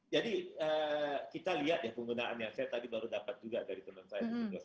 jadi kita lihat ya penggunaan yang saya tadi baru dapat juga dari teman saya